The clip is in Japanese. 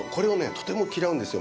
とても嫌うんですよ